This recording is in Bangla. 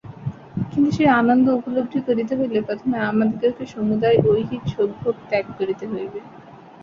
কিন্তু সেই আনন্দ উপলব্ধি করিতে হইলে প্রথমে আমাদিগকে সমুদয় ঐহিক সুখভোগ ত্যাগ করিতে হইবে।